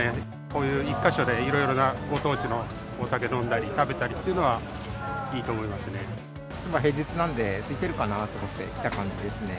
こういう１か所でいろいろなご当地のお酒飲んだり、食べたりって平日なんで、すいてるかなと思って来た感じですね。